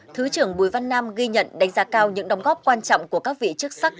thứ trưởng bùi văn nam ghi nhận đánh giá cao những đóng góp quan trọng của các vị chức sắc